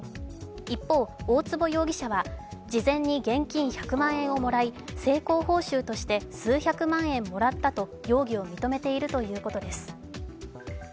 一方、大坪容疑者は事前に現金１００間年をもらい成功報酬として数百万円もらったと容疑を認めているということです。